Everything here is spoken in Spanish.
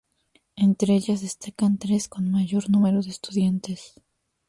Entre ellas destacan tres con mayor número de estudiantes.